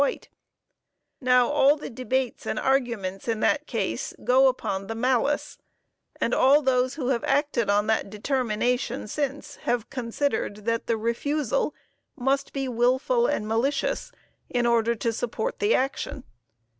White_. Now all the debates and arguments in that case go upon the malice; and all those who have acted on that determination since have considered that the refusal must be wilful and malicious in order to support the action....